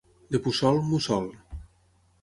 De Puçol, mussol.